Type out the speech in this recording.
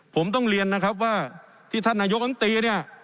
ผมต้องเรียนนะครับว่าที่ท่านนายกรรมตรีเนี่ย